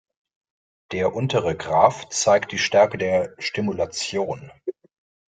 Der untere Graph zeigt die Stärke der Stimulation.